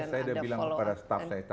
saya udah bilang kepada staff saya